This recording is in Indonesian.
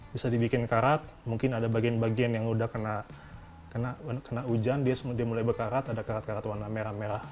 bisa dibikin karat mungkin ada bagian bagian yang udah kena hujan dia mulai berkarat ada karat karat warna merah merah